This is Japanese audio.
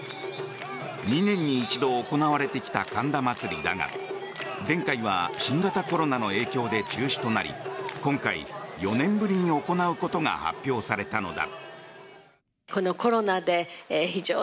２年に一度行われてきた神田祭だが前回は新型コロナの影響で中止となり今回、４年ぶりに行うことが発表されたのだ。